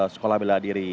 sekolah bela diri